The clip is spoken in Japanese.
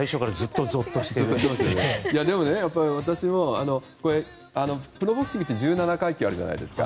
でも、プロボクシングって１７階級あるじゃないですか。